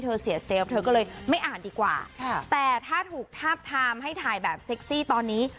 เธอก็เลยไม่อ่านดีกว่าแต่ถ้าถูกทาบไทม์ให้ถ่ายแบบเซ็กซี่ตอนนี้